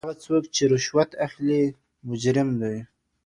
هغه څوک چې رشوت اخلي مجرم دی.